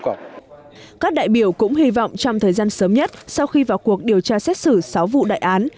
các đại biểu cũng hy vọng trong thời gian sớm nhất sau khi vào cuộc điều tra xét xử sáu vụ đại án